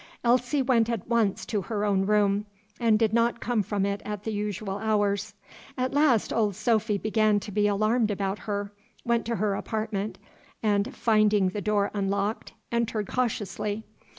Elsie went at once to her own room, and did not come from it at the usual hours. At last Old Sophy began to be alarmed about her, went to her apartment, and, finding the door unlocked, entered cautiously.